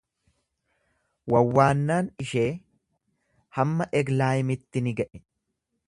Wawwaannaan ishee hamma Eglaayimitti ni ga'e.